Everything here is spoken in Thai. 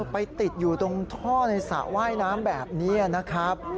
ไปติดอยู่ตรงท่อในสระว่ายน้ำแบบนี้นะครับ